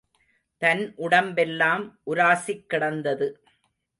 தன் உடம்பெல்லாம் உராசிக் கிடந்தது.